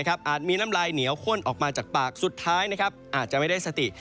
อาจมีน้ำลายเหนียวข้นออกมาจากปากสุดท้ายอาจจะไม่ได้สติ